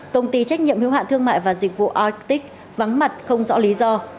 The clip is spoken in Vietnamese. công ty trách nhiệm hiếu hạn thương mại và dịch vụ oic vắng mặt không rõ lý do